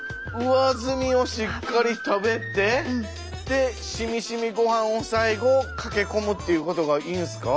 上積みをしっかり食べてでしみしみごはんを最後かき込むっていうことがいいんですか？